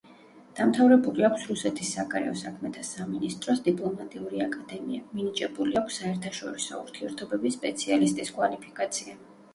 დამთავრებული აქვს რუსეთის საგარეო საქმეთა სამინისტროს დიპლომატიური აკადემია, მინიჭებული აქვს საერთაშორისო ურთიერთობების სპეციალისტის კვალიფიკაცია.